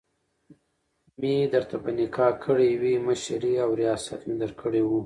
مي درته په نکاح کړي وي، مشري او رياست مي درکړی وو